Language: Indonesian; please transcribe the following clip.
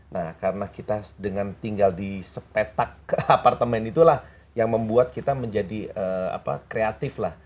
nah karena kita dengan tinggal di sepetak apartemen itulah yang membuat kita menjadi kreatif lah